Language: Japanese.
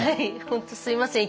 本当すみません。